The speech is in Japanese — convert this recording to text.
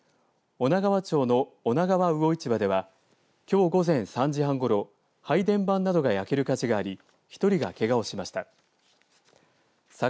女川町の女川魚市場ではきょう午前３時半ごろ配電盤などが焼ける火事があり